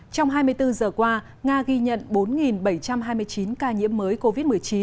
trong hai mươi bốn giờ qua nga ghi nhận bốn bảy trăm hai mươi chín ca nhiễm mới covid một mươi chín